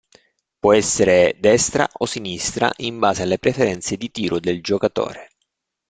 Può essere destra o sinistra, in base alle preferenze di tiro del giocatore.